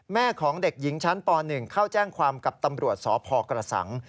แม่ของเด็กหญิงชั้นป๑เข้าแจ้งความกับตำรวจสพกระสัง